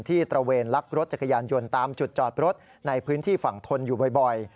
ตระเวนลักรถจักรยานยนต์ตามจุดจอดรถในพื้นที่ฝั่งทนอยู่บ่อย